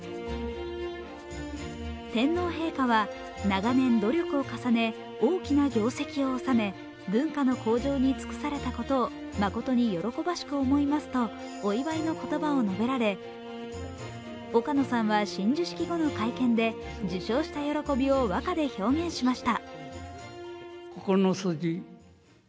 天皇陛下は長年努力を重ね、大きな業績を収め、文化の向上に尽くされたことを誠に喜ばしく思いますとお祝いの言葉を述べられ、岡野さんは親授式後の会見で受章した喜びを和歌で表現しました。